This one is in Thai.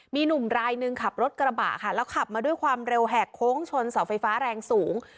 มีหนุ่มรายหนึ่งขับรถกระบะค่ะแล้วขับมาด้วยความเร็วแหกโค้งชนเสาไฟฟ้าแรงสูง